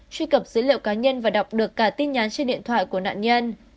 truy cập dữ liệu cá nhân và đọc được cả tin nhắn trên điện thoại của nạn nhân